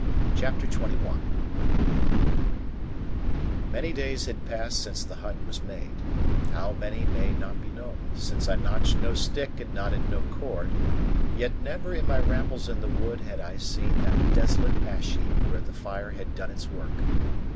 CHAPTER XXI Many days had passed since the hut was made how many may not be known, since I notched no stick and knotted no cord yet never in my rambles in the wood had I seen that desolate ash heap where the fire had done its work.